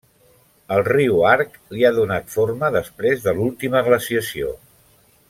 El riu Arc li ha donat forma després de l'última glaciació.